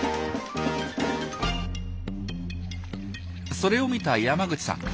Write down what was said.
それを見た山口さん。